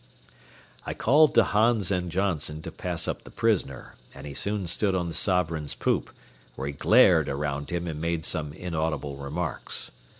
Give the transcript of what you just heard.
I called to Hans and Johnson to pass up the prisoner, and he soon stood on the Sovereign's poop, where he glared around him and made some inaudible remarks.